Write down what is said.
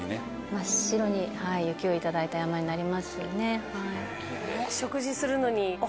真っ白に雪を頂いた山になりますね。